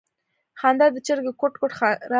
خندا د چرگې کوټ کوټ راغله.